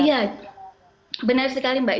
iya benar sekali mbak